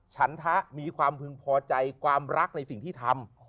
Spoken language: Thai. ฉันทะมีความพึงพอใจความรักในสิ่งที่ทำ